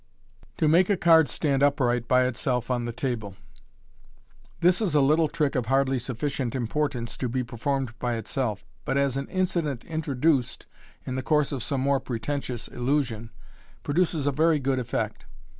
To make k Card stand upright by itself on the Table.— This is a little trick of hardly sufficient importance to be performed by itself j but as an incident introduced in the course of some more pretentious illusion, produces a very good effect.